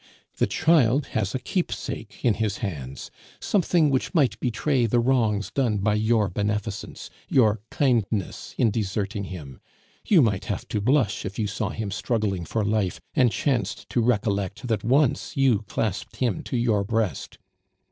"The child has a keepsake in his hands, something which might betray the wrongs done by your beneficence, your kindness in deserting him. You might have to blush if you saw him struggling for life, and chanced to recollect that once you clasped him to your breast.